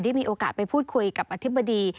มีโอกาสไปพูดคุยกับอธิบดี